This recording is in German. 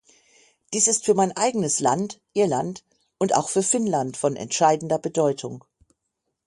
Dies ist für mein eigenes Land, Irland, und auch für Finnland von entscheidender Bedeutung.